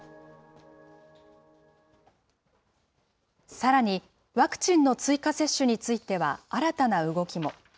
さらに、ワクチンの追加接種については、新たな動きも。